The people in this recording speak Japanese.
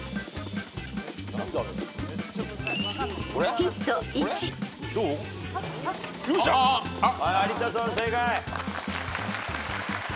［ヒント１］有田さん正解。